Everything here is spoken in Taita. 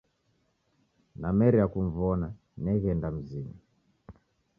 Nameria kum'wona, neghenda mzinyi.